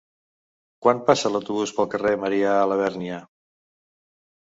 Quan passa l'autobús pel carrer Marià Labèrnia?